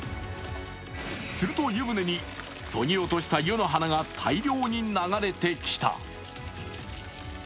すると湯船にそぎ落とした湯の花が大量に流れてきた。